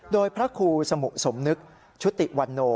โดยพระครูสมุสมนึกชุติวันโน